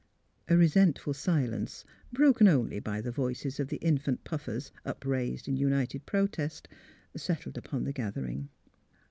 '' A resentful silence, broken only by the voices of the infant Puffers upraised in united protest, settled upon the gathering.